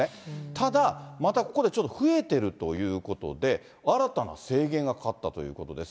ただ、またここでちょっと増えてるということで、新たな制限がかかったということです。